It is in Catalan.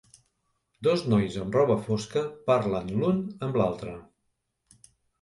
Dos nois amb roba fosca parlen l'un amb l'altre.